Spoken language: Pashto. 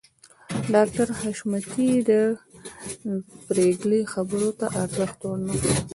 ډاکټر حشمتي د پريګلې خبرو ته ارزښت ورنکړ